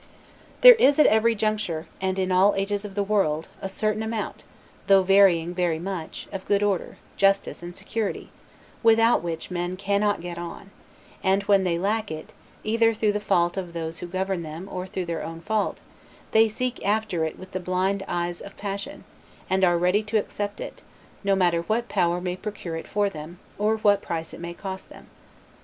There is at every juncture, and in all ages of the world, a certain amount, though varying very much, of good order, justice, and security, without which men cannot get on; and when they lack it, either through the fault of those who govern them or through their own fault, they seek after it with the blind eyes of passion, and are ready to accept it, no matter what power may procure it for them, or what price it may cost them.